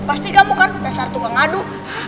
pasti kamu kan dasar tukang adu